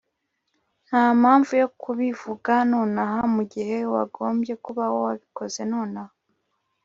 ntampamvu yo kubivuga nonaha mugihe wagombye kuba wabikoze nonaha